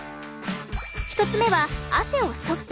１つ目は汗をストップ！